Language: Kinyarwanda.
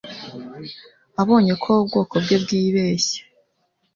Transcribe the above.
Abonye ko ubwoko bwe bwibeshye,